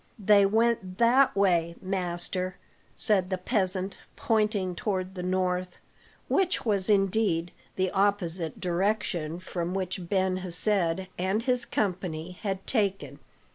"They went that way, master," said the peasant, pointing toward the north, which was indeed the opposite direction from that which Ben Hesed and his company had taken.